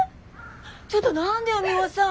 ちょっと何でよミホさん。